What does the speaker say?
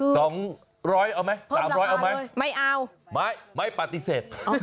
สองร้อยเอาไหมไม่เอาไม่ปฏิเสธ